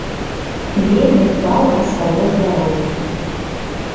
Вельмі дбаў пра сваё здароўе.